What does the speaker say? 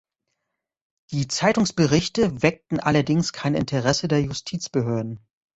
Die Zeitungsberichte weckten allerdings kein Interesse der Justizbehörden.